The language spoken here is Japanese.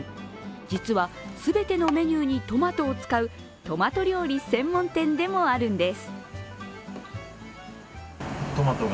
実は、全てのメニューにトマトを使うトマト料理専門店でもあるんです。